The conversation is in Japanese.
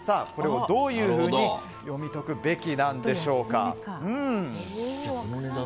これをどういうふうに読み解くべきなんでしょうか。